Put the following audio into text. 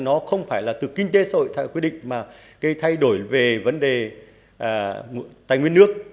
nó không phải là từ kinh tế xã hội quyết định mà cái thay đổi về vấn đề tài nguyên nước